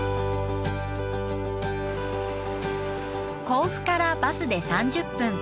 甲府からバスで３０分。